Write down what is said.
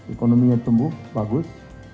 ekonominya tumbuh bagus